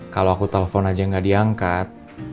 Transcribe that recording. kalo aku telfon aja gak diangkat